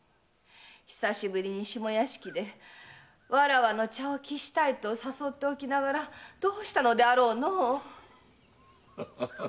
久しぶりに下屋敷でわらわの茶を喫したいと誘っておきながらどうしたのであろうのう？